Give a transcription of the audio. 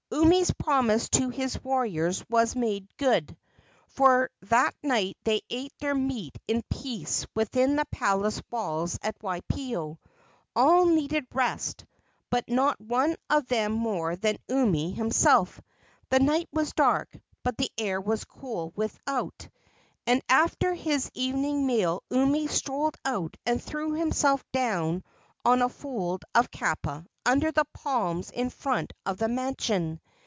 Umi's promise to his warriors was made good, for that night they ate their meat in peace within the palace walls at Waipio. All needed rest, but not one of them more than Umi himself. The night was dark, but the air was cool without, and after his evening meal Umi strolled out and threw himself down on a fold of kapa under the palms in front of the mansion.